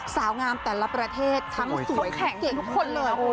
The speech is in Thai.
สาวงามแต่ละประเทศทั้งสวยแขกเก่งทุกคนเลย